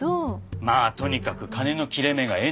まあとにかく金の切れ目が縁の切れ目。